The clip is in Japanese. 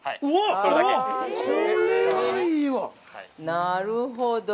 ◆なるほど。